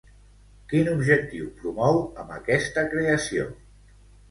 Quin objectiu promou amb aquesta creació?